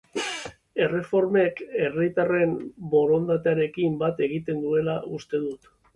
Erreformek, herritarren borondatearekin bat egiten dutela uste du.